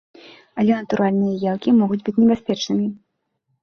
Але натуральныя елкі могуць быць небяспечнымі.